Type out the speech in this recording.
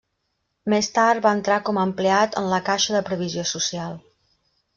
Més tard va entrar com a empleat en la Caixa de Previsió Social.